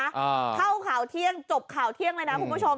อ่าเข้าข่าวเที่ยงจบข่าวเที่ยงเลยนะคุณผู้ชม